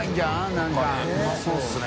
何かねうまそうですね